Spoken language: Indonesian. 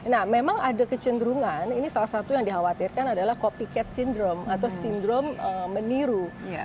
nah memang ada kecenderungan ini salah satu yang dikhawatirkan adalah copycate syndrome atau sindrom meniru